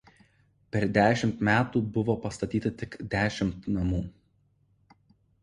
Per dešimt metų buvo pastatyta tik dešimt namų.